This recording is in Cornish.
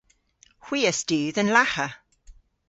Hwi a studh an lagha.